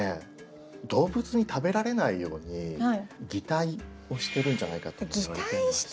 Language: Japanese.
動物に食べられないように擬態をしてるんじゃないかともいわれてまして。